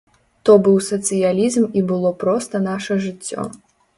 То быў сацыялізм і было проста наша жыццё.